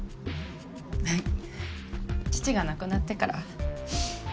はい父が亡くなってから。